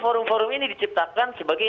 forum forum ini diciptakan sebagai